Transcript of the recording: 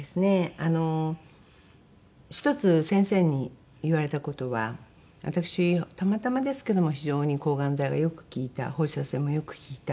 あの１つ先生に言われた事は私たまたまですけども非常に抗がん剤がよく効いた放射線もよく効いた。